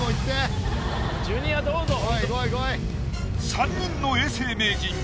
３人の永世名人。